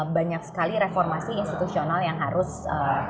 banyak sekali reformasi institusional yang harus kita langsungkan gitu